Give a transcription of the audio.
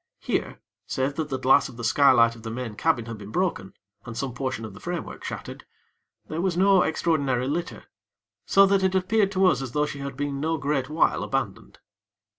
Here, save that the glass of the skylight of the main cabin had been broken, and some portion of the framework shattered, there was no extraordinary litter; so that it appeared to us as though she had been no great while abandoned.